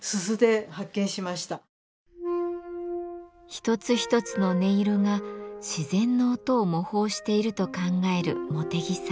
一つ一つの音色が自然の音を模倣していると考える茂手木さん。